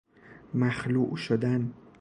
مخلوع شدن